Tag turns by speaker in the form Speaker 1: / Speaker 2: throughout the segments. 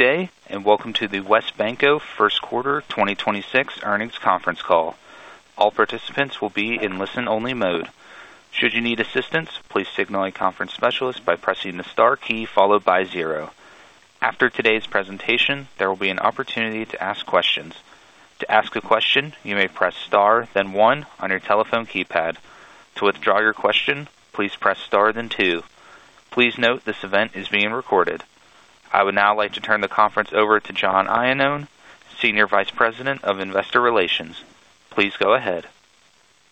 Speaker 1: Good day, and welcome to the WesBanco first quarter 2026 earnings conference call. All participants will be in listen-only mode. Should you need assistance, please signal a conference specialist by pressing the star key followed by zero. After today's presentation, there will be an opportunity to ask questions. To ask a question, you may press star then one on your telephone keypad. To withdraw your question, please press star then two. Please note this event is being recorded. I would now like to turn the conference over to John Iannone, Senior Vice President of Investor Relations. Please go ahead.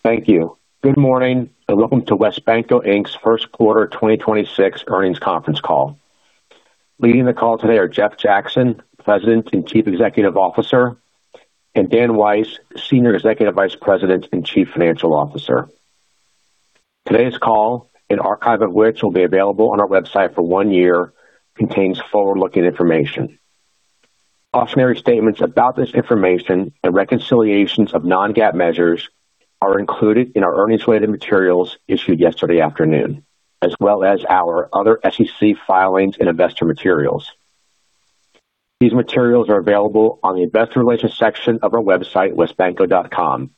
Speaker 2: Thank you. Good morning, and welcome to WesBanco, Inc.'s first quarter 2026 earnings conference call. Leading the call today are Jeff Jackson, President and Chief Executive Officer, and Dan Weiss, Senior Executive Vice President and Chief Financial Officer. Today's call, an archive of which will be available on our website for one year, contains forward-looking information. Cautionary statements about this information and reconciliations of non-GAAP measures are included in our earnings-related materials issued yesterday afternoon, as well as our other SEC filings and investor materials. These materials are available on the investor relations section of our website, wesbanco.com.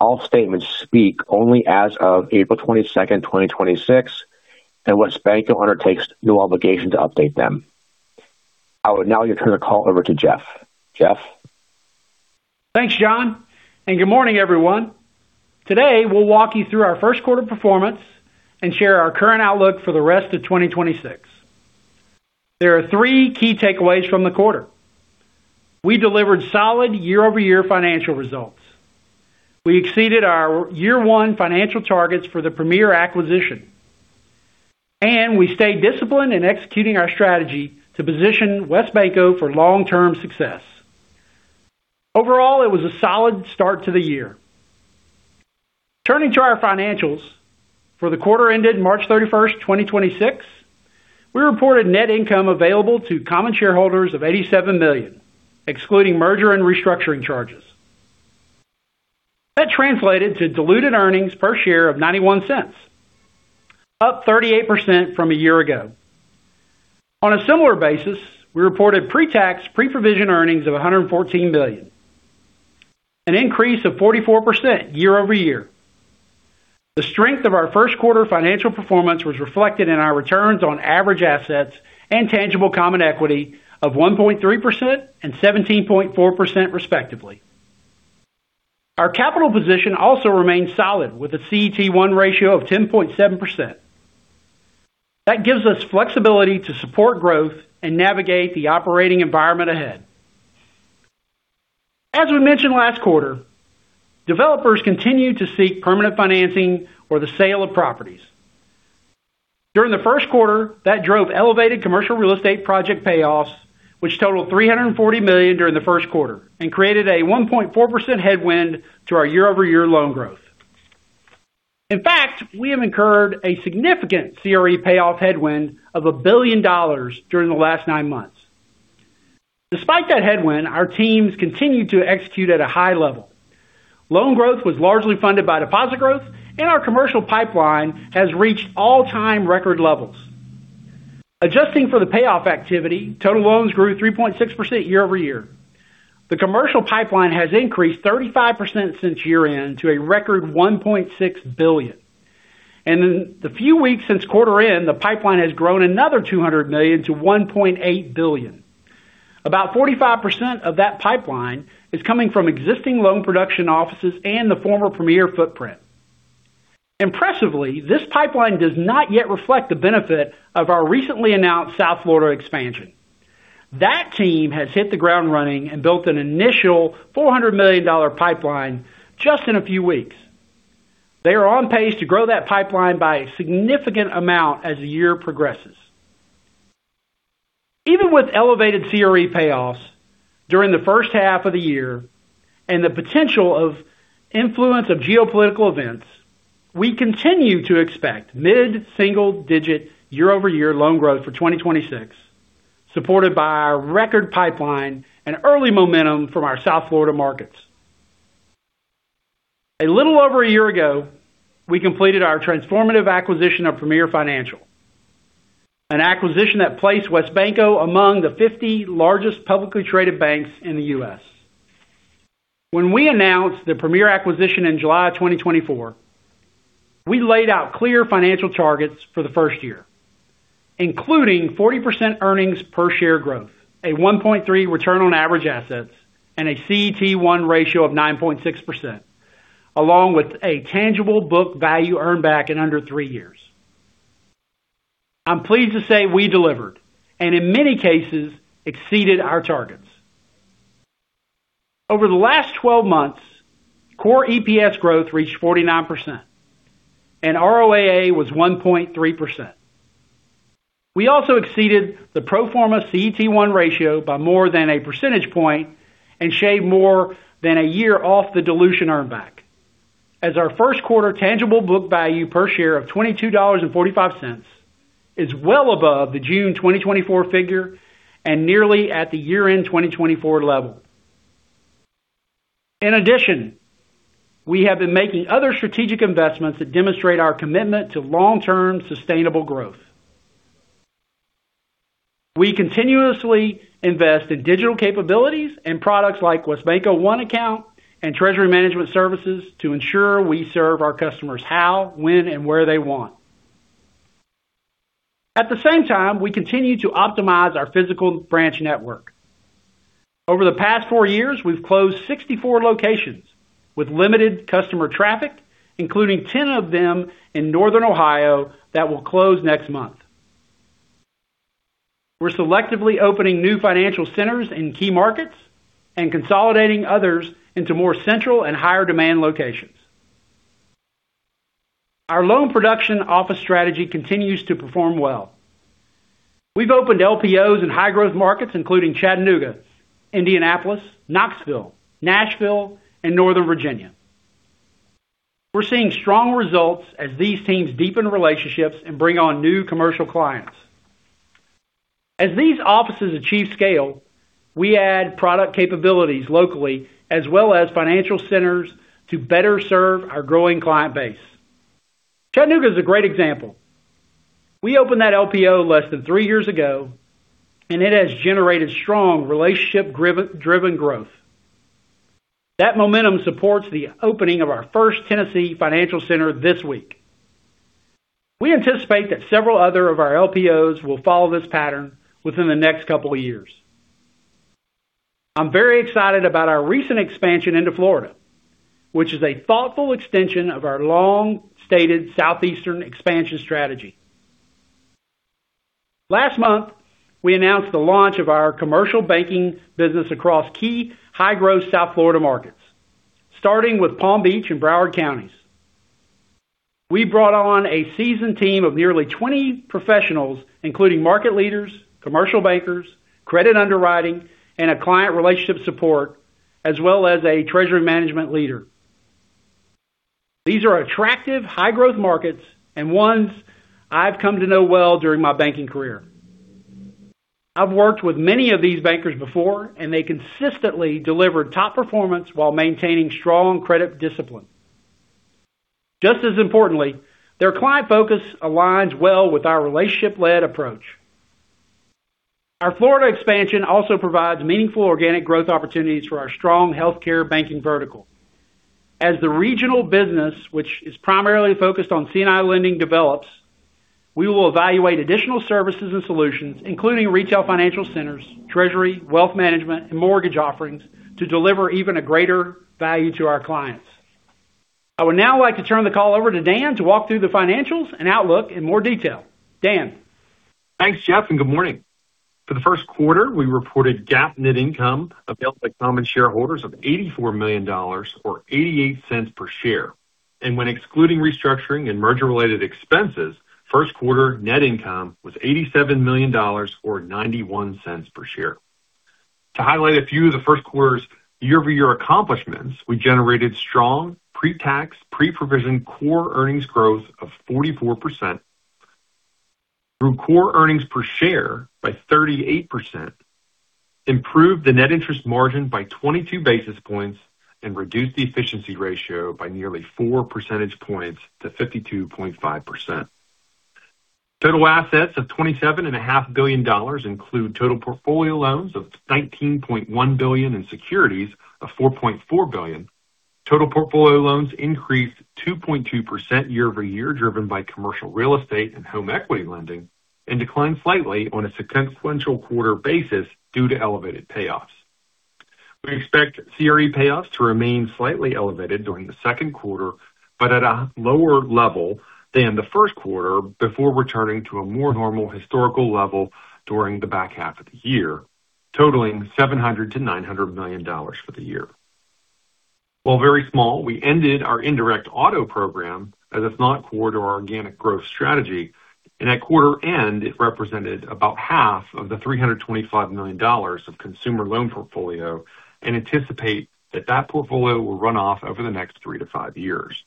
Speaker 2: All statements speak only as of April 22nd, 2026, and WesBanco undertakes no obligation to update them. I would now turn the call over to Jeff. Jeff?
Speaker 3: Thanks, John, and good morning, everyone. Today, we'll walk you through our first quarter performance and share our current outlook for the rest of 2026. There are three key takeaways from the quarter. We delivered solid year-over-year financial results. We exceeded our year one financial targets for the Premier acquisition. We stayed disciplined in executing our strategy to position WesBanco for long-term success. Overall, it was a solid start to the year. Turning to our financials, for the quarter ended March 31st, 2026, we reported net income available to common shareholders of $87 million, excluding merger and restructuring charges. That translated to diluted earnings per share of $0.91, up 38% from a year ago. On a similar basis, we reported pre-tax, pre-provision earnings of $114 million, an increase of 44% year-over-year. The strength of our first quarter financial performance was reflected in our returns on average assets and tangible common equity of 1.3% and 17.4% respectively. Our capital position also remains solid with a CET1 ratio of 10.7%. That gives us flexibility to support growth and navigate the operating environment ahead. As we mentioned last quarter, developers continue to seek permanent financing or the sale of properties. During the first quarter, that drove elevated commercial real estate project payoffs, which totaled $340 million during the first quarter and created a 1.4% headwind to our year-over-year loan growth. In fact, we have incurred a significant CRE payoff headwind of $1 billion during the last nine months. Despite that headwind, our teams continued to execute at a high level. Loan growth was largely funded by deposit growth, and our commercial pipeline has reached all-time record levels. Adjusting for the payoff activity, total loans grew 3.6% year-over-year. The commercial pipeline has increased 35% since year-end to a record $1.6 billion. In the few weeks since quarter end, the pipeline has grown another $200 million to $1.8 billion. About 45% of that pipeline is coming from existing loan production offices and the former Premier footprint. Impressively, this pipeline does not yet reflect the benefit of our recently announced South Florida expansion. That team has hit the ground running and built an initial $400 million pipeline just in a few weeks. They are on pace to grow that pipeline by a significant amount as the year progresses. Even with elevated CRE payoffs during the first half of the year and the potential of influence of geopolitical events, we continue to expect mid-single digit year-over-year loan growth for 2026, supported by our record pipeline and early momentum from our South Florida markets. A little over a year ago, we completed our transformative acquisition of Premier Financial, an acquisition that placed WesBanco among the 50 largest publicly traded banks in the U.S. When we announced the Premier acquisition in July 2024, we laid out clear financial targets for the first year, including 40% earnings per share growth, a 1.3% return on average assets, and a CET1 ratio of 9.6%, along with a tangible book value earned back in under three years. I'm pleased to say we delivered, and in many cases, exceeded our targets. Over the last 12 months, core EPS growth reached 49% and ROAA was 1.3%. We also exceeded the pro forma CET1 ratio by more than a percentage point and shaved more than a year off the dilution earn back as our first quarter tangible book value per share of $22.45 is well above the June 2024 figure and nearly at the year-end 2024 level. In addition, we have been making other strategic investments that demonstrate our commitment to long-term sustainable growth. We continuously invest in digital capabilities and products like WesBanco One Account and treasury management services to ensure we serve our customers how, when, and where they want. At the same time, we continue to optimize our physical branch network. Over the past four years, we've closed 64 locations with limited customer traffic, including 10 of them in Northern Ohio that will close next month. We're selectively opening new financial centers in key markets and consolidating others into more central and higher demand locations. Our loan production office strategy continues to perform well. We've opened LPOs in high growth markets including Chattanooga, Indianapolis, Knoxville, Nashville, and Northern Virginia. We're seeing strong results as these teams deepen relationships and bring on new commercial clients. As these offices achieve scale, we add product capabilities locally as well as financial centers to better serve our growing client base. Chattanooga is a great example. We opened that LPO less than three years ago, and it has generated strong relationship-driven growth. That momentum supports the opening of our first Tennessee financial center this week. We anticipate that several other of our LPOs will follow this pattern within the next couple of years. I'm very excited about our recent expansion into Florida, which is a thoughtful extension of our long-stated southeastern expansion strategy. Last month, we announced the launch of our commercial banking business across key high-growth South Florida markets, starting with Palm Beach and Broward counties. We brought on a seasoned team of nearly 20 professionals, including market leaders, commercial bankers, credit underwriting, and a client relationship support, as well as a treasury management leader. These are attractive high growth markets and ones I've come to know well during my banking career. I've worked with many of these bankers before, and they consistently delivered top performance while maintaining strong credit discipline. Just as importantly, their client focus aligns well with our relationship-led approach. Our Florida expansion also provides meaningful organic growth opportunities for our strong healthcare banking vertical. As the regional business, which is primarily focused on C&I lending, develops, we will evaluate additional services and solutions, including retail financial centers, treasury, wealth management, and mortgage offerings to deliver even a greater value to our clients. I would now like to turn the call over to Dan to walk through the financials and outlook in more detail. Dan?
Speaker 4: Thanks, Jeff, and good morning. For the first quarter, we reported GAAP net income available to common shareholders of $84 million or $0.88 per share. When excluding restructuring and merger-related expenses, first quarter net income was $87 million or $0.91 per share. To highlight a few of the first quarter's year-over-year accomplishments, we generated strong pre-tax, pre-provision core earnings growth of 44%, grew core earnings per share by 38%, improved the net interest margin by 22 basis points, and reduced the efficiency ratio by nearly 4 percentage points to 52.5%. Total assets of $27.5 billion include total portfolio loans of $19.1 billion and securities of $4.4 billion. Total portfolio loans increased 2.2% year-over-year, driven by commercial real estate and home equity lending, and declined slightly on a sequential quarter basis due to elevated payoffs. We expect CRE payoffs to remain slightly elevated during the second quarter, but at a lower level than the first quarter before returning to a more normal historical level during the back half of the year, totaling $700-$900 million for the year. While very small, we ended our indirect auto program as it's not core to our organic growth strategy. At quarter end, it represented about half of the $325 million of consumer loan portfolio, and we anticipate that that portfolio will run off over the next three-five years.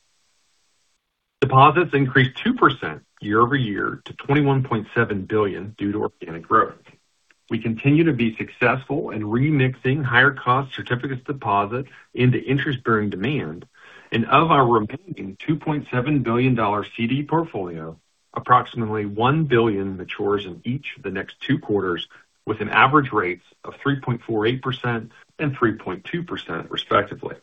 Speaker 4: Deposits increased 2% year-over-year to $21.7 billion due to organic growth. We continue to be successful in remixing higher cost certificates of deposit into interest-bearing demand deposits and of our remaining $2.7 billion CD portfolio, approximately $1 billion matures in each of the next two quarters with an average rate of 3.48% and 3.2% respectively.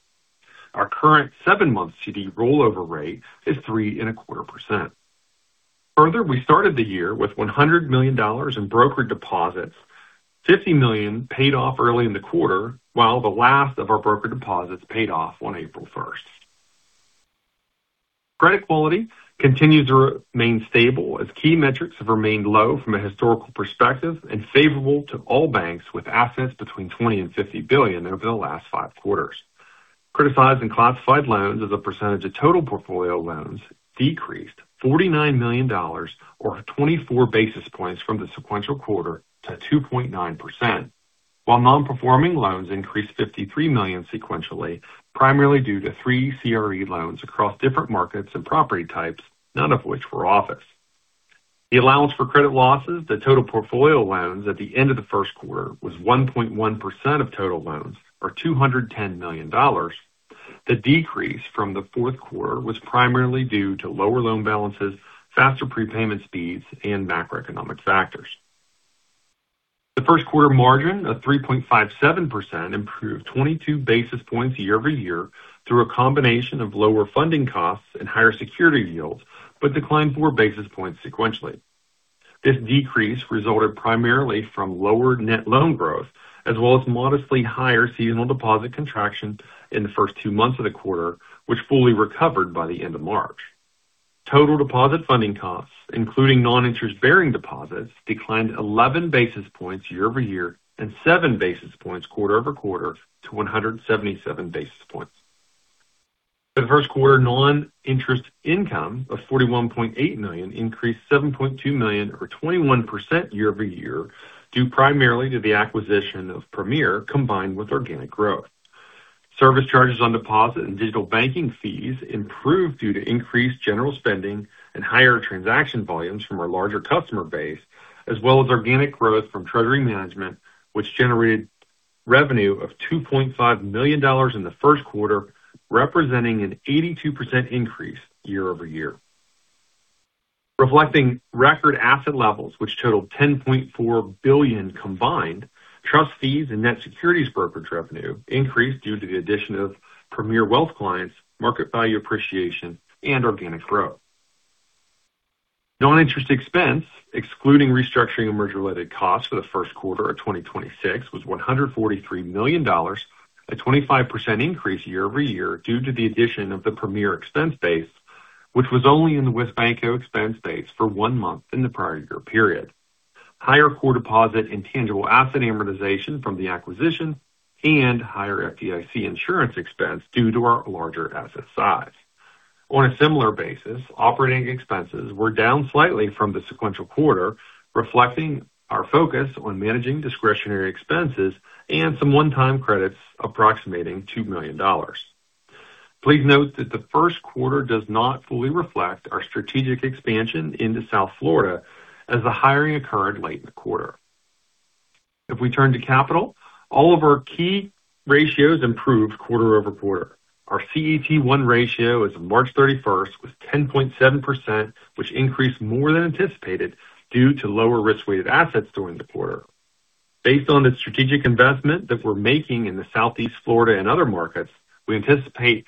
Speaker 4: Our current seven-month CD rollover rate is 3.25%. Further, we started the year with $100 million in broker deposits, $50 million paid off early in the quarter while the last of our broker deposits paid off on April 1st. Credit quality continues to remain stable as key metrics have remained low from a historical perspective and favorable to all banks with assets between $20 billion-$50 billion over the last five quarters. Criticized and classified loans as a percentage of total portfolio loans decreased $49 million or 24 basis points from the sequential quarter to 2.9%, while non-performing loans increased $53 million sequentially, primarily due to three CRE loans across different markets and property types, none of which were office. The allowance for credit losses on the total portfolio loans at the end of the first quarter was 1.1% of total loans, or $210 million. The decrease from the fourth quarter was primarily due to lower loan balances, faster prepayment speeds, and macroeconomic factors. The first quarter margin of 3.57% improved 22 basis points year-over-year through a combination of lower funding costs and higher security yields, but declined 4 basis points sequentially. This decrease resulted primarily from lower net loan growth, as well as modestly higher seasonal deposit contraction in the first two months of the quarter, which fully recovered by the end of March. Total deposit funding costs, including non-interest-bearing deposits, declined 11 basis points year-over-year and 7 basis points quarter-over-quarter to 177 basis points. The first quarter non-interest income of $41.8 million increased $7.2 million or 21% year-over-year, due primarily to the acquisition of Premier, combined with organic growth. Service charges on deposit and digital banking fees improved due to increased general spending and higher transaction volumes from our larger customer base, as well as organic growth from treasury management, which generated revenue of $2.5 million in the first quarter, representing an 82% increase year-over-year. Reflecting record asset levels, which totaled $10.4 billion combined, trust fees and net securities brokerage revenue increased due to the addition of Premier wealth clients, market value appreciation and organic growth. Noninterest expense, excluding restructuring and merger-related costs for the first quarter of 2026, was $143 million, a 25% increase year-over-year due to the addition of the Premier expense base, which was only in the WesBanco expense base for one month in the prior year period, higher core deposit and tangible asset amortization from the acquisition and higher FDIC insurance expense due to our larger asset size. On a similar basis, operating expenses were down slightly from the sequential quarter, reflecting our focus on managing discretionary expenses and some one-time credits approximating $2 million. Please note that the first quarter does not fully reflect our strategic expansion into South Florida as the hiring occurred late in the quarter. If we turn to capital, all of our key ratios improved quarter-over-quarter. Our CET1 ratio as of March 31st was 10.7%, which increased more than anticipated due to lower Risk-Weighted Assets during the quarter. Based on the strategic investment that we're making in the Southeast Florida and other markets, we anticipate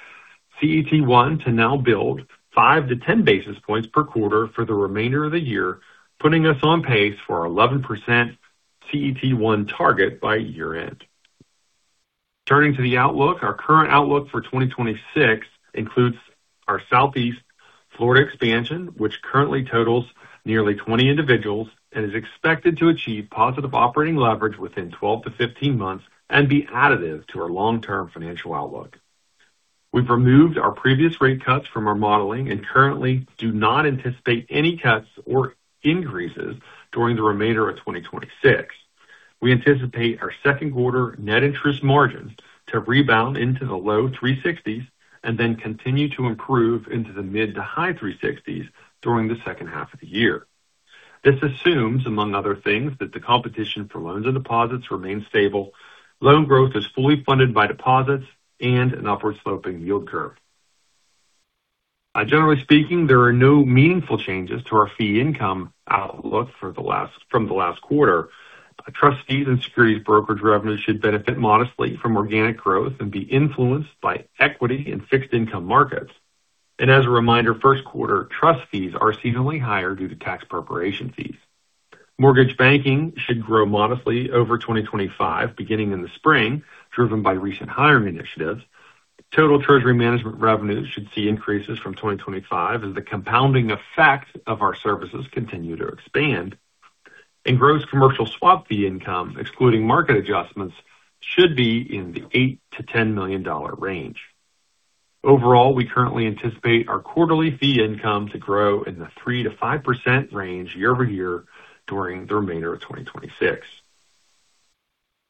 Speaker 4: CET1 to now build 5-10 basis points per quarter for the remainder of the year, putting us on pace for our 11% CET1 target by year-end. Turning to the outlook, our current outlook for 2026 includes our Southeast Florida expansion, which currently totals nearly 20 individuals and is expected to achieve positive operating leverage within 12-15 months and be additive to our long-term financial outlook. We've removed our previous rate cuts from our modeling and currently do not anticipate any cuts or increases during the remainder of 2026. We anticipate our second quarter net interest margins to rebound into the low 3.60s% and then continue to improve into the mid- to high 3.60s% during the second half of the year. This assumes, among other things, that the competition for loans and deposits remains stable, loan growth is fully funded by deposits and an upward-sloping yield curve. Generally speaking, there are no meaningful changes to our fee income outlook from the last quarter. Trust fees and securities brokerage revenues should benefit modestly from organic growth and be influenced by equity and fixed income markets. As a reminder, first quarter trust fees are seasonally higher due to tax preparation fees. Mortgage banking should grow modestly over 2025, beginning in the spring, driven by recent hiring initiatives. Total treasury management revenues should see increases from 2025 as the compounding effect of our services continue to expand. Gross commercial swap fee income, excluding market adjustments, should be in the $8 million-$10 million range. Overall, we currently anticipate our quarterly fee income to grow in the 3%-5% range year-over-year during the remainder of 2026.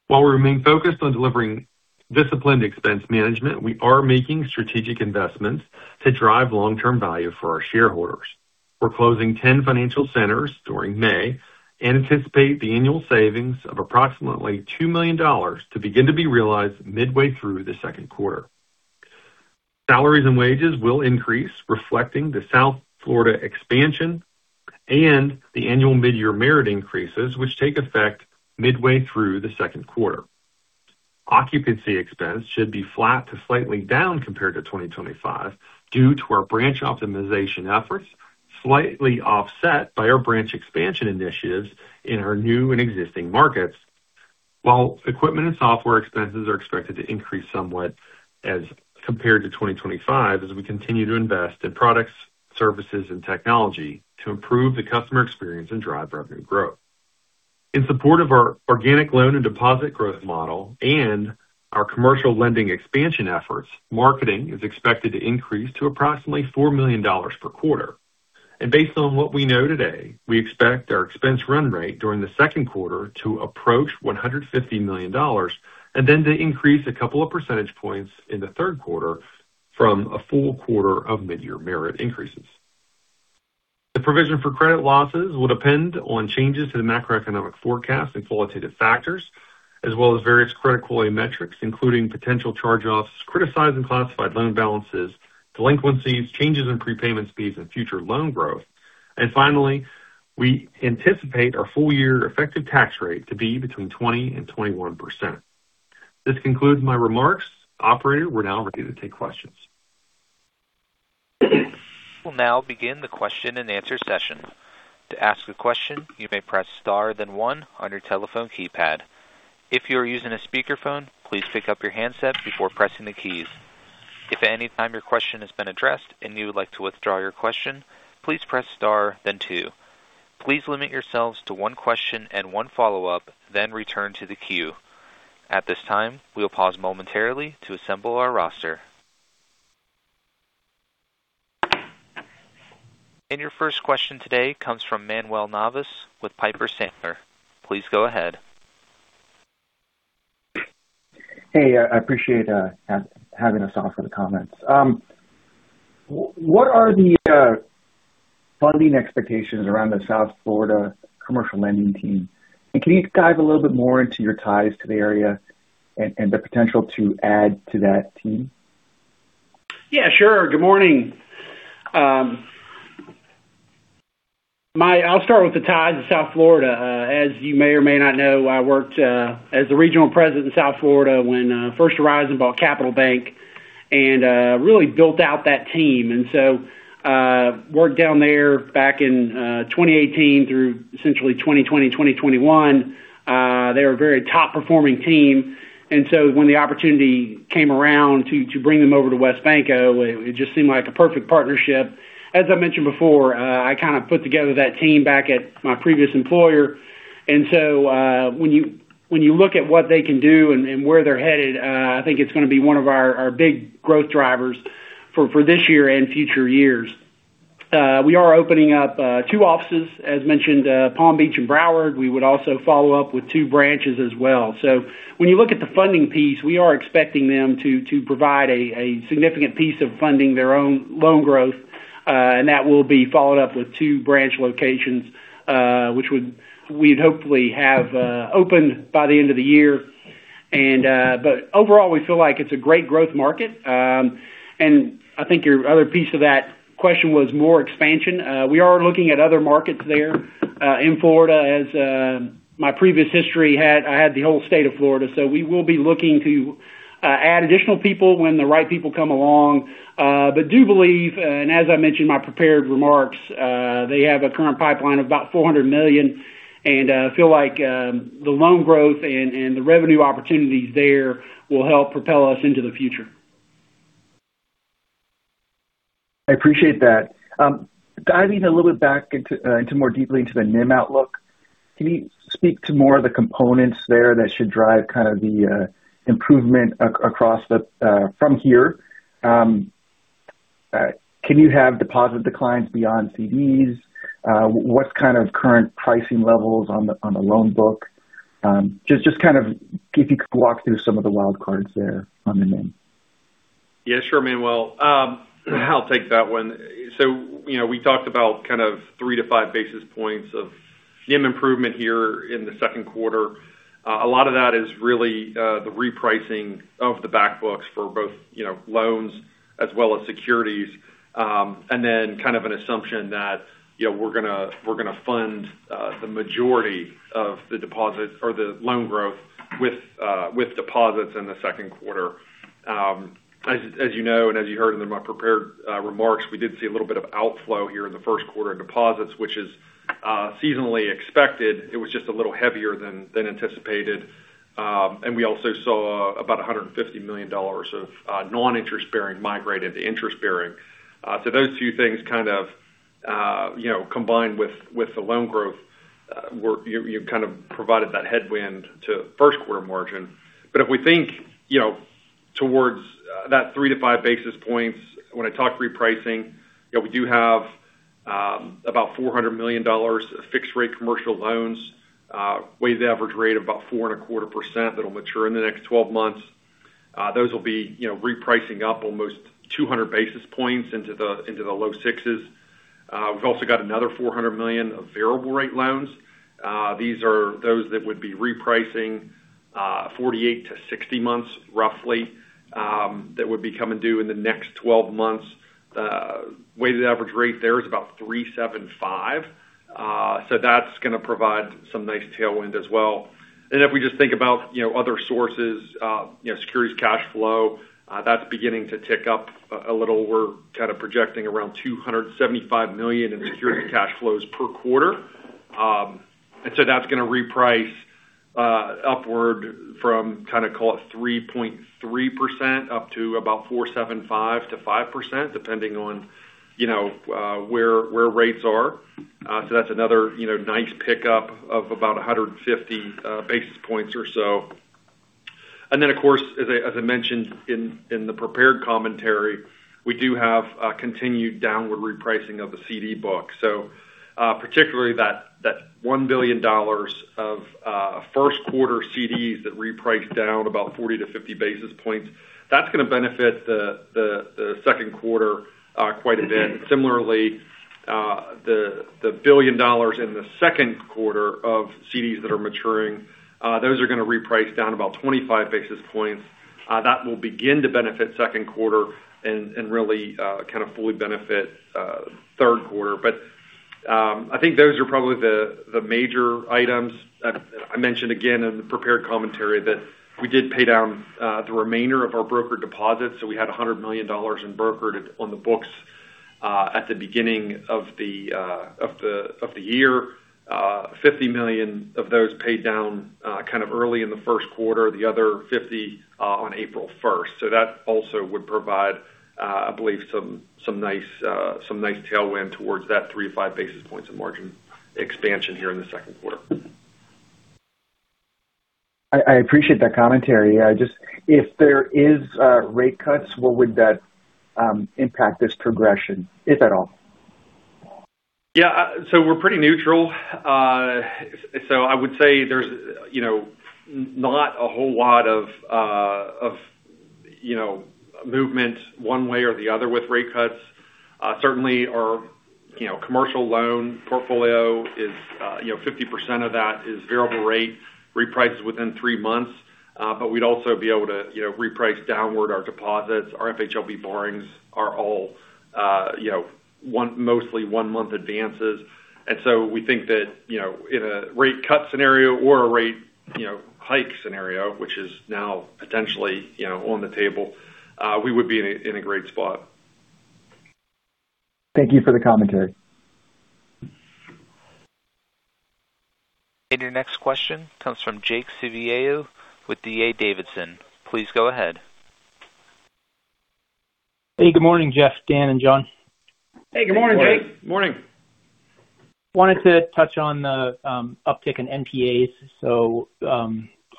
Speaker 4: While we remain focused on delivering disciplined expense management, we are making strategic investments to drive long-term value for our shareholders. We're closing 10 financial centers during May and anticipate the annual savings of approximately $2 million to begin to be realized midway through the second quarter. Salaries and wages will increase, reflecting the South Florida expansion and the annual midyear merit increases, which take effect midway through the second quarter. Occupancy expense should be flat to slightly down compared to 2025 due to our branch optimization efforts, slightly offset by our branch expansion initiatives in our new and existing markets. While equipment and software expenses are expected to increase somewhat as compared to 2025 as we continue to invest in products, services and technology to improve the customer experience and drive revenue growth. In support of our organic loan and deposit growth model and our commercial lending expansion efforts, marketing is expected to increase to approximately $4 million per quarter. Based on what we know today, we expect our expense run rate during the second quarter to approach $150 million and then to increase a couple of percentage points in the third quarter. From a full quarter of mid-year merit increases. The provision for credit losses will depend on changes to the macroeconomic forecast and qualitative factors, as well as various credit quality metrics, including potential charge-offs, criticized and classified loan balances, delinquencies, changes in prepayment speeds and future loan growth. Finally, we anticipate our full year effective tax rate to be between 20%-21%. This concludes my remarks. Operator, we're now ready to take questions.
Speaker 1: We'll now begin the Q&A session. To ask a question, you may press star then one on your telephone keypad. If you are using a speakerphone, please pick up your handset before pressing the keys. If at any time your question has been addressed and you would like to withdraw your question, please press star then two. Please limit yourselves to one question and one follow-up, then return to the queue. At this time, we'll pause momentarily to assemble our roster. Your first question today comes from Manuel Navas with Piper Sandler. Please go ahead.
Speaker 5: Hey, I appreciate having us on for the comments. What are the funding expectations around the South Florida commercial lending team? Can you dive a little bit more into your ties to the area and the potential to add to that team?
Speaker 3: Yeah, sure. Good morning. I'll start with the ties to South Florida. As you may or may not know, I worked as the regional president in South Florida when First Horizon bought Capital Bank and really built out that team. I worked down there back in 2018 through essentially 2020, 2021. They're a very top-performing team. When the opportunity came around to bring them over to WesBanco, it just seemed like a perfect partnership. As I mentioned before, I kind of put together that team back at my previous employer. When you look at what they can do and where they're headed, I think it's going to be one of our big growth drivers for this year and future years. We are opening up two offices, as mentioned, Palm Beach and Broward. We would also follow up with two branches as well. When you look at the funding piece, we are expecting them to provide a significant piece of funding their own loan growth. That will be followed up with two branch locations, which we'd hopefully have opened by the end of the year. Overall, we feel like it's a great growth market. I think your other piece of that question was more expansion. We are looking at other markets there in Florida as my previous history, I had the whole state of Florida. We will be looking to add additional people when the right people come along. Do believe, and as I mentioned in my prepared remarks, they have a current pipeline of about $400 million, and I feel like the loan growth and the revenue opportunities there will help propel us into the future.
Speaker 5: I appreciate that. Diving a little bit back more deeply into the NIM outlook, can you speak to more of the components there that should drive the improvement from here? Can you have deposit declines beyond CDs? What's kind of current pricing levels on the loan book? If you could walk through some of the wild cards there on the NIM?
Speaker 4: Yeah, sure, Manuel. I'll take that one. We talked about 3-5 basis points of NIM improvement here in the second quarter. A lot of that is really the repricing of the back books for both loans as well as securities. Then kind of an assumption that we're going to fund the majority of the deposits or the loan growth with deposits in the second quarter. As you know and as you heard in my prepared remarks, we did see a little bit of outflow here in the first-quarter deposits, which is seasonally expected. It was just a little heavier than anticipated. We also saw about $150 million of non-interest-bearing migrate into interest-bearing. Those two things kind of combined with the loan growth, which kind of provided that headwind to first-quarter margin. If we think towards that 3-5 basis points, when I talk repricing, we do have about $400 million of fixed rate commercial loans, weighted average rate of about 4.25% that'll mature in the next 12 months. Those will be repricing up almost 200 basis points into the low sixes. We've also got another $400 million of variable rate loans. These are those that would be repricing 48-60 months roughly, that would be coming due in the next 12 months. Weighted average rate there is about 3.75%. So that's going to provide some nice tailwind as well. And if we just think about other sources, securities cash flow, that's beginning to tick up a little. We're kind of projecting around $275 million in securities cash flows per quarter. That's going to reprice upward from kind of call it 3.3% up to about 4.75%-5%, depending on where rates are. That's another nice pickup of about 150 basis points or so. Then, of course, as I mentioned in the prepared commentary, we do have a continued downward repricing of the CD book. Particularly that $1 billion of first quarter CDs that reprice down about 40-50 basis points, that's going to benefit the second quarter quite a bit. Similarly the $1 billion in the second quarter of CDs that are maturing, those are going to reprice down about 25 basis points. That will begin to benefit second quarter and really kind of fully benefit third quarter. I think those are probably the major items. I mentioned again in the prepared commentary that we did pay down the remainder of our broker deposits. We had $100 million in brokered on the books, at the beginning of the year. $50 million of those paid down kind of early in the first quarter, the other $50 million on April 1st. That also would provide, I believe some nice tailwind towards that 3-5 basis points of margin expansion here in the second quarter.
Speaker 5: I appreciate that commentary. Just, if there is rate cuts, where would that impact this progression, if at all?
Speaker 4: Yeah. We're pretty neutral. I would say there's not a whole lot of movement one way or the other with rate cuts. Certainly our commercial loan portfolio, 50% of that is variable rate reprices within three months. We'd also be able to reprice downward our deposits. Our FHLB borrowings are all mostly 1-month advances. We think that in a rate cut scenario or a rate hike scenario, which is now potentially on the table, we would be in a great spot.
Speaker 5: Thank you for the commentary.
Speaker 1: Your next question comes from Jake Civiello with D.A. Davidson. Please go ahead.
Speaker 6: Hey, good morning, Jeff, Dan, and John.
Speaker 3: Hey, good morning, Jake.
Speaker 4: Good morning.
Speaker 6: wanted to touch on the uptick in NPAs.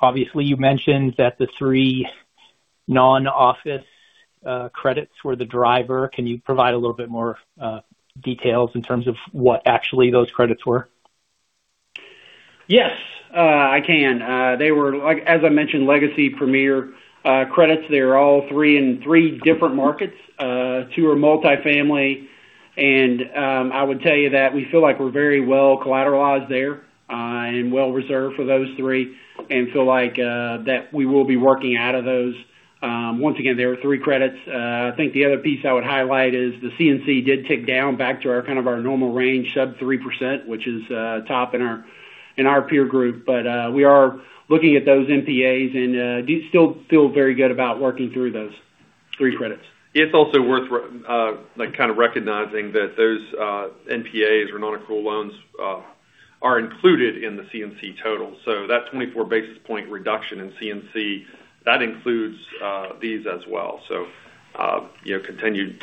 Speaker 6: Obviously, you mentioned that the three non-office credits were the driver. Can you provide a little bit more details in terms of what actually those credits were?
Speaker 3: Yes, I can. They were, as I mentioned, legacy Premier credits. They're all three in three different markets. Two are multi-family. I would tell you that we feel like we're very well collateralized there, and well reserved for those three, and feel like that we will be working out of those. Once again, there are three credits. I think the other piece I would highlight is the CNC did tick down back to our kind of normal range, sub 3%, which is top in our peer group. We are looking at those NPAs and do still feel very good about working through those three credits.
Speaker 4: It's also worth kind of recognizing that those NPAs or non-accrual loans are included in the CNC total. That 24 basis point reduction in CNC, that includes these as well. Continue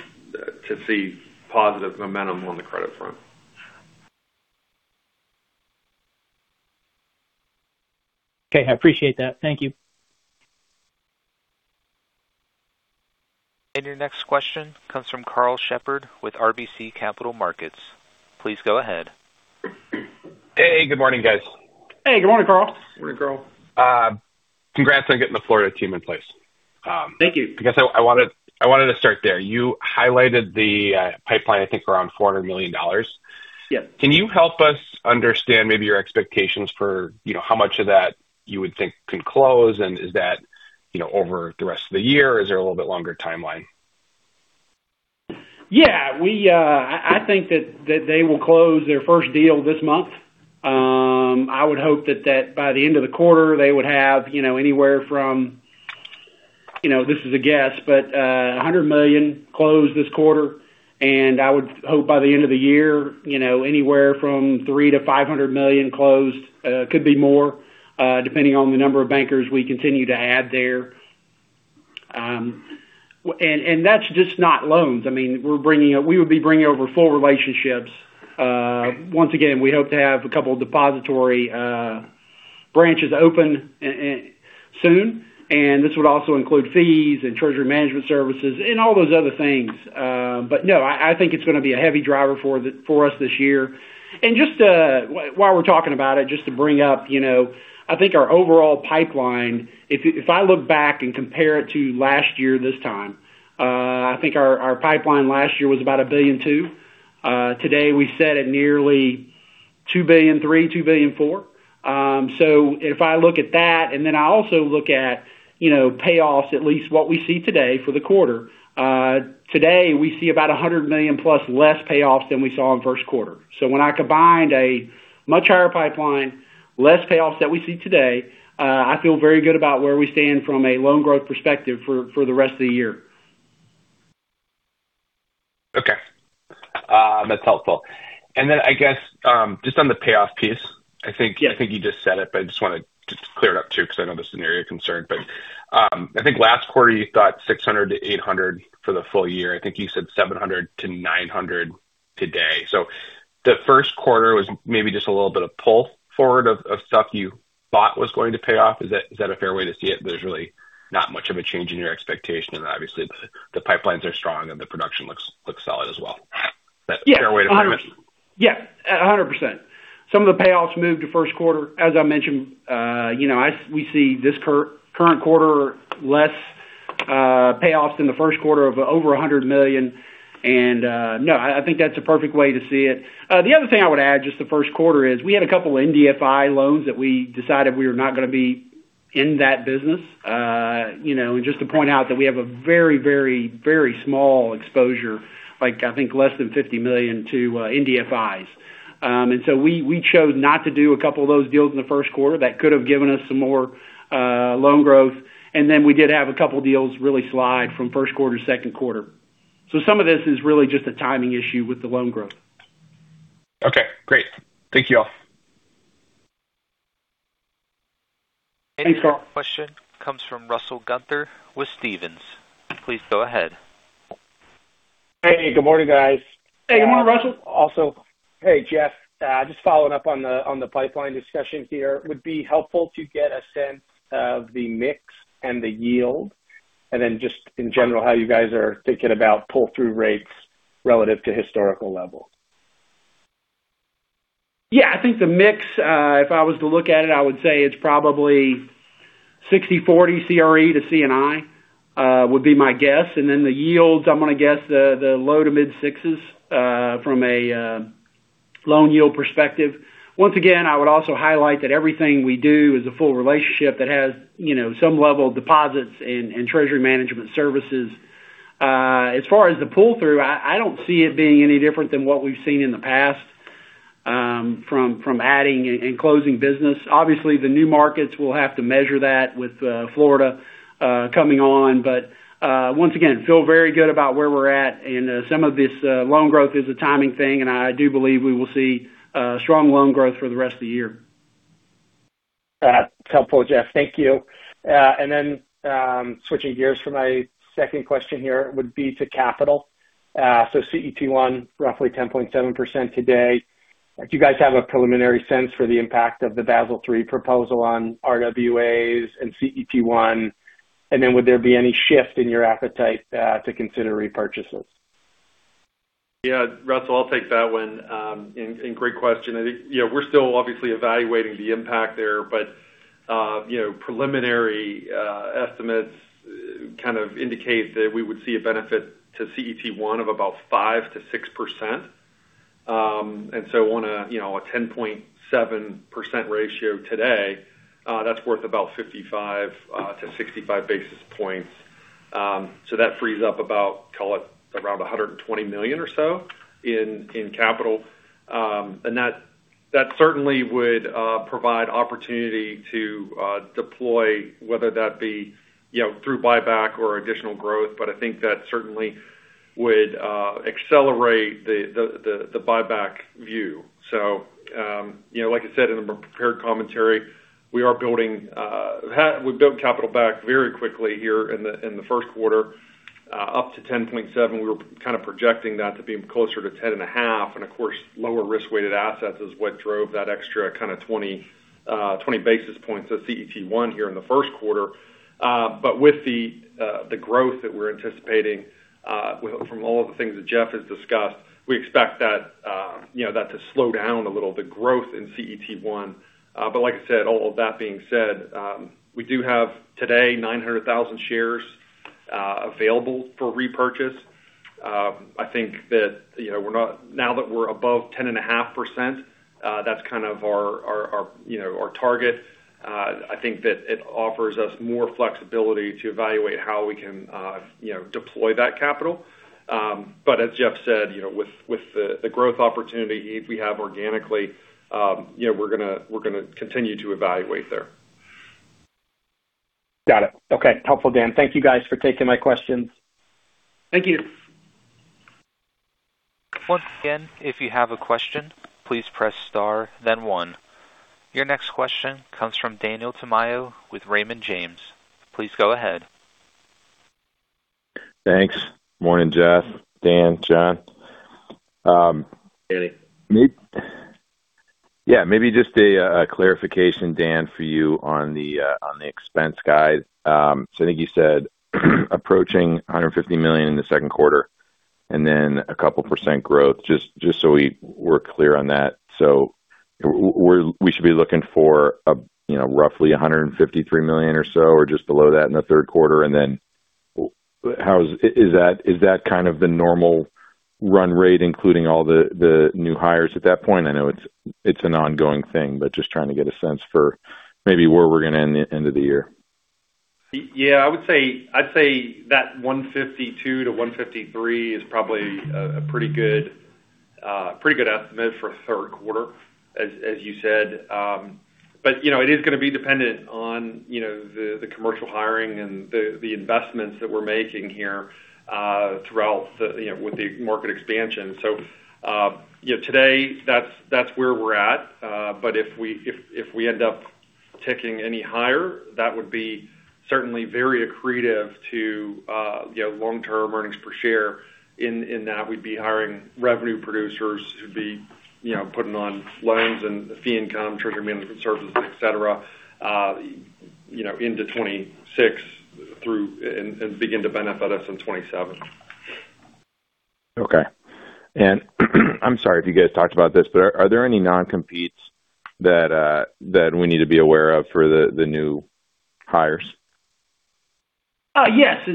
Speaker 4: to see positive momentum on the credit front.
Speaker 6: Okay, I appreciate that. Thank you.
Speaker 1: Your next question comes from Karl Shepard with RBC Capital Markets. Please go ahead.
Speaker 7: Hey, good morning, guys.
Speaker 3: Hey, good morning, Karl.
Speaker 4: Morning, Karl.
Speaker 7: Congrats on getting the Florida team in place.
Speaker 3: Thank you.
Speaker 7: I guess I wanted to start there. You highlighted the pipeline, I think, around $400 million.
Speaker 3: Yes.
Speaker 7: Can you help us understand maybe your expectations for how much of that you would think can close? Is that over the rest of the year, or is there a little bit longer timeline?
Speaker 3: Yeah. I think that they will close their first deal this month. I would hope that by the end of the quarter, they would have anywhere from, this is a guess, but, $100 million closed this quarter. I would hope by the end of the year anywhere from $300 million-$500 million closed, could be more, depending on the number of bankers we continue to add there. That's just not loans. We would be bringing over full relationships. Once again, we hope to have a couple of depository branches open soon. This would also include fees and treasury management services and all those other things. No, I think it's going to be a heavy driver for us this year. Just while we're talking about it, just to bring up, I think our overall pipeline, if I look back and compare it to last year, this time, I think our pipeline last year was about $1.2 billion. Today we sit at nearly $2.3 billion-$2.4 billion. If I look at that and then I also look at payoffs, at least what we see today for the quarter. Today we see about $100 million less payoffs than we saw in first quarter. When I combine a much higher pipeline, less payoffs than we see today, I feel very good about where we stand from a loan growth perspective for the rest of the year.
Speaker 7: Okay. That's helpful. I guess, just on the payoff piece, I think you just said it, but I just want to just clear it up too because I know this is an area of concern. I think last quarter you thought $600-$800 for the full year. I think you said $700-$900 today. The first quarter was maybe just a little bit of pull forward of stuff you thought was going to pay off. Is that a fair way to see it? There's really not much of a change in your expectation and obviously the pipelines are strong and the production looks solid as well. Is that a fair way to frame it?
Speaker 3: Yeah, 100%. Some of the payoffs moved to first quarter, as I mentioned. We saw this current quarter less payoffs in the first quarter of over $100 million. No, I think that's a perfect way to see it. The other thing I would add, just the first quarter is we had a couple of MDI loans that we decided we were not going to be in that business. Just to point out that we have a very small exposure, like, I think less than $50 million to MDIs. We chose not to do a couple of those deals in the first quarter that could have given us some more loan growth. Then we did have a couple deals really slide from first quarter to second quarter. Some of this is really just a timing issue with the loan growth.
Speaker 7: Okay, great. Thank you all.
Speaker 3: Thanks.
Speaker 1: Your next question comes from Russell Gunther with Stephens. Please go ahead.
Speaker 8: Hey, good morning, guys.
Speaker 3: Hey, good morning, Russell.
Speaker 8: Also, hey, Jeff Jackson. Just following up on the pipeline discussion here, would be helpful to get a sense of the mix and the yield, and then just in general, how you guys are thinking about pull-through rates relative to historical level?
Speaker 3: Yeah, I think the mix, if I was to look at it, I would say it's probably 60-40 CRE to C&I, would be my guess. Then the yields, I'm going to guess the low- to mid-sixes from a loan yield perspective. Once again, I would also highlight that everything we do is a full relationship that has some level of deposits and treasury management services. As far as the pull-through, I don't see it being any different than what we've seen in the past from adding and closing business. Obviously, the new markets will have to measure that with Florida coming on. Once again, feel very good about where we're at. Some of this loan growth is a timing thing, and I do believe we will see strong loan growth for the rest of the year.
Speaker 8: That's helpful, Jeff. Thank you. Switching gears for my second question here would be to capital. CET1, roughly 10.7% today. Do you guys have a preliminary sense for the impact of the Basel III proposal on RWAs and CET1? Would there be any shift in your appetite to consider repurchases?
Speaker 4: Yeah, Russell, I'll take that one. Great question. I think we're still obviously evaluating the impact there, but preliminary estimates kind of indicate that we would see a benefit to CET1 of about 5%-6%. On a 10.7% ratio today, that's worth about 55-65 basis points. That frees up about, call it, around $120 million or so in capital. That certainly would provide opportunity to deploy, whether that be through buyback or additional growth. I think that certainly would accelerate the buyback view. Like I said in the prepared commentary, we've built capital back very quickly here in the first quarter, up to 10.7%. We were kind of projecting that to be closer to 10.5%. Of course, lower risk-weighted assets is what drove that extra kind of 20 basis points of CET1 here in the first quarter. With the growth that we're anticipating from all of the things that Jeff has discussed, we expect that to slow down a little, the growth in CET1. Like I said, all of that being said, we do have today 900,000 shares available for repurchase. I think that now that we're above 10.5%, that's kind of our target. I think that it offers us more flexibility to evaluate how we can deploy that capital. As Jeff said, with the growth opportunity we have organically, we're going to continue to evaluate there.
Speaker 8: Got it. Okay. Helpful, Dan. Thank you guys for taking my questions.
Speaker 3: Thank you.
Speaker 1: Once again, if you have a question, please press star then one. Your next question comes from Daniel Tamayo with Raymond James. Please go ahead.
Speaker 9: Thanks. Morning, Jeff, Dan, John.
Speaker 3: Danny.
Speaker 9: Yeah, maybe just a clarification, Dan, for you on the expense guide. I think you said approaching $150 million in the second quarter and then a 2% growth, just so we're clear on that. We should be looking for roughly $153 million or so or just below that in the third quarter. Is that kind of the normal run rate, including all the new hires at that point? I know it's an ongoing thing, but just trying to get a sense for maybe where we're going to end the year.
Speaker 4: Yeah, I would say that $152 million-$153 million is probably a pretty good estimate for third quarter, as you said. It is going to be dependent on the commercial hiring and the investments that we're making here throughout with the market expansion. Today, that's where we're at. If we end up ticking any higher, that would be certainly very accretive to long-term earnings per share in that we'd be hiring revenue producers who'd be putting on loans and fee income, treasury management services, et cetera into 2026 and begin to benefit us in 2027.
Speaker 9: Okay. I'm sorry if you guys talked about this, but are there any non-competes that we need to be aware of for the new hires?
Speaker 3: Yes.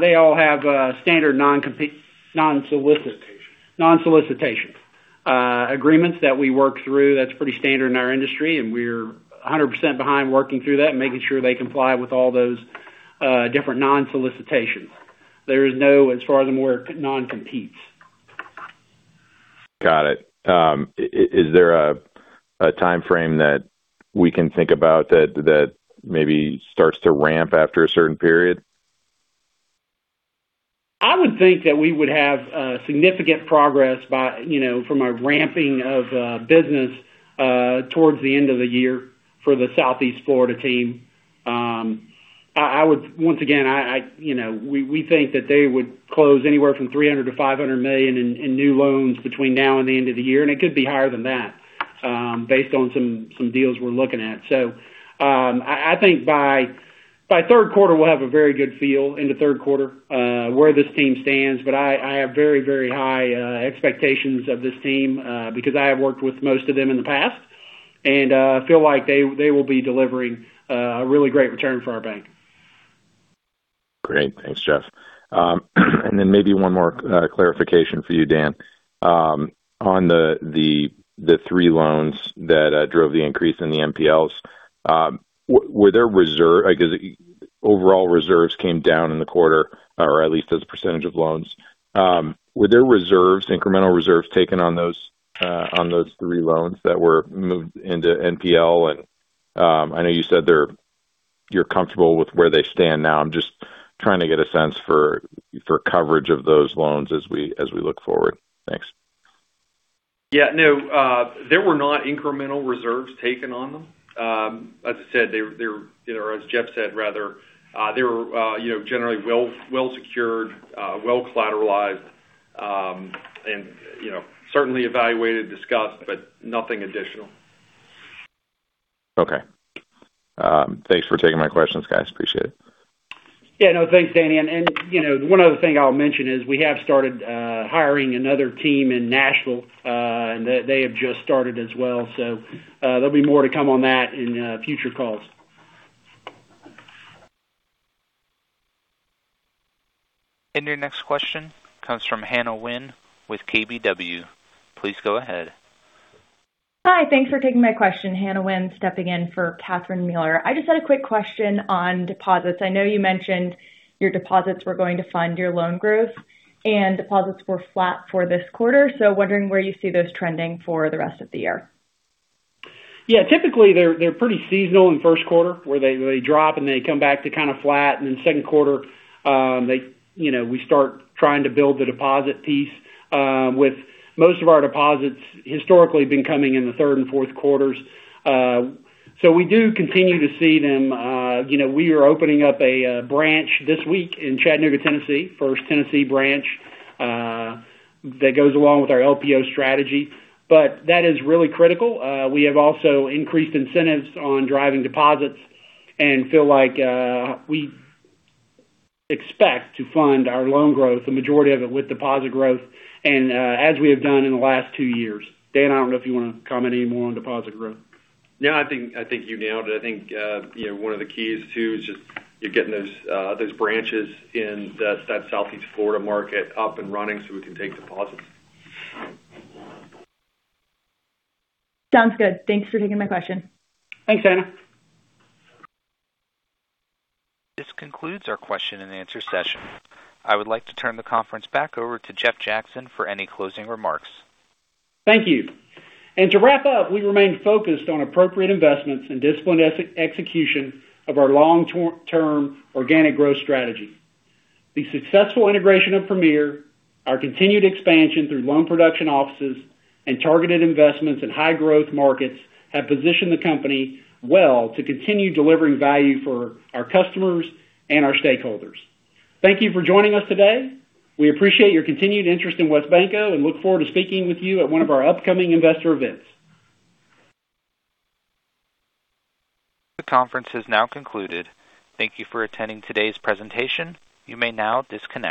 Speaker 3: They all have standard non-solicitation agreements that we work through. That's pretty standard in our industry, and we're 100% behind working through that and making sure they comply with all those different non-solicitations. There is no, as far as I'm aware, non-competes.
Speaker 9: Got it. Is there a timeframe that we can think about that maybe starts to ramp after a certain period?
Speaker 3: I would think that we would have significant progress from a ramping of business towards the end of the year for the Southeast Florida team. Once again, we think that they would close anywhere from $300 million-$500 million in new loans between now and the end of the year, and it could be higher than that based on some deals we're looking at. I think by third quarter, we'll have a very good feel, into third quarter, where this team stands. I have very high expectations of this team because I have worked with most of them in the past, and feel like they will be delivering a really great return for our bank.
Speaker 9: Great. Thanks, Jeff. Maybe one more clarification for you, Dan, on the three loans that drove the increase in the NPLs. Overall reserves came down in the quarter, or at least as a percentage of loans. Were there incremental reserves taken on those three loans that were moved into NPL? I know you said you're comfortable with where they stand now. I'm just trying to get a sense for coverage of those loans as we look forward. Thanks.
Speaker 4: Yeah, no. There were not incremental reserves taken on them. As I said, or as Jeff said, rather, they were generally well secured, well collateralized, and certainly evaluated, discussed, but nothing additional.
Speaker 9: Okay. Thanks for taking my questions, guys. Appreciate it.
Speaker 3: Yeah. No, thanks, Danny. One other thing I'll mention is we have started hiring another team in Nashville, and they have just started as well. There'll be more to come on that in future calls.
Speaker 1: Your next question comes from Hannah Wynn with KBW. Please go ahead.
Speaker 10: Hi. Thanks for taking my question. Hannah Wynn, stepping in for Catherine Mealor. I just had a quick question on deposits. I know you mentioned your deposits were going to fund your loan growth and deposits were flat for this quarter. Wondering where you see those trending for the rest of the year.
Speaker 3: Yeah. Typically, they're pretty seasonal in first quarter where they drop and they come back to kind of flat. Second quarter, we start trying to build the deposit piece, with most of our deposits historically been coming in the third and fourth quarters. We do continue to see them. We are opening up a branch this week in Chattanooga, Tennessee, first Tennessee branch. That goes along with our LPO strategy. That is really critical. We have also increased incentives on driving deposits and feel like we expect to fund our loan growth, the majority of it, with deposit growth, and as we have done in the last two years. Dan, I don't know if you want to comment any more on deposit growth.
Speaker 4: No, I think you nailed it. I think one of the keys, too, is just you're getting those branches in that Southeast Florida market up and running so we can take deposits.
Speaker 10: Sounds good. Thanks for taking my question.
Speaker 3: Thanks, Hannah.
Speaker 1: This concludes our Q&A session. I would like to turn the conference back over to Jeff Jackson for any closing remarks.
Speaker 3: Thank you. To wrap up, we remain focused on appropriate investments and disciplined execution of our long-term organic growth strategy. The successful integration of Premier, our continued expansion through loan production offices, and targeted investments in high growth markets, have positioned the company well to continue delivering value for our customers and our stakeholders. Thank you for joining us today. We appreciate your continued interest in WesBanco and look forward to speaking with you at one of our upcoming investor events.
Speaker 1: The conference has now concluded. Thank you for attending today's presentation. You may now disconnect.